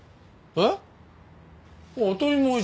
えっ？